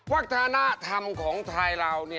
วัฒนธรรมของไทยเรา